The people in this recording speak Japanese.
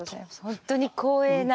本当に光栄な。